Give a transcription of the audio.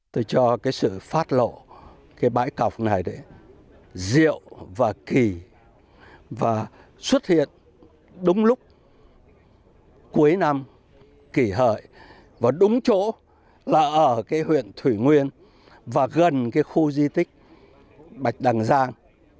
tôi cho sự phát lộ bãi cọc này rượu và kỳ xuất hiện đúng lúc cuối năm kỳ hợi đúng chỗ là ở huyện thủy nguyên và gần khu di tích bạch đằng giang